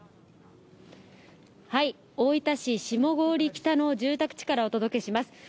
大分市下郡北の住宅地からお伝えします。